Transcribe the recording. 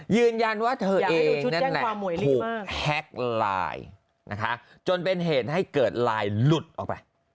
ยืนยันว่าเธอเองนั่นแหละถูกแท็กไลน์นะคะจนเป็นเหตุให้เกิดไลน์หลุดออกไป